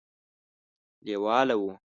لېواله وو.